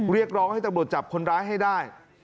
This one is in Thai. เรียกร้องให้ตำรวจจับคนร้ายให้ได้